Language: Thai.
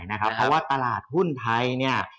เพราะว่าตลาดหุ้นไทยเนี่ย